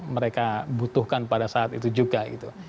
mereka butuhkan pada saat itu juga gitu